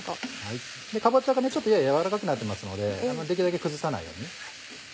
かぼちゃがちょっとやや軟らかくなってますのでできるだけ崩さないように。